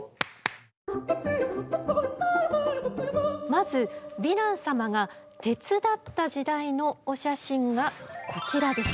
まずヴィラン様が鉄だった時代のお写真がこちらです。